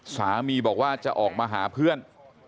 สามีบอกว่าจะออกมาหาเพื่อน